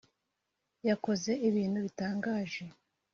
Yakoze ibintu bitangaje.